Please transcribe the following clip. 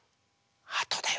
はとだよ